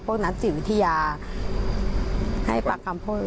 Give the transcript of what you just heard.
พวกนักจิตวิทยาให้พรรคคามเพิ่ม